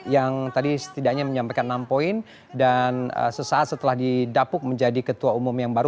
yang tadi setidaknya menyampaikan enam poin dan sesaat setelah didapuk menjadi ketua umum yang baru